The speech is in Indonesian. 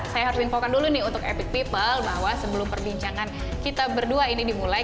saya harus infokan dulu nih untuk epic people bahwa sebelum perbincangan kita berdua ini dimulai